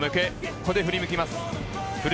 ここで振り向きます。